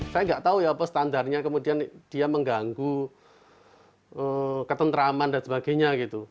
saya nggak tahu ya apa standarnya kemudian dia mengganggu ketentraman dan sebagainya gitu